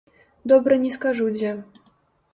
Добра не скажу дзе.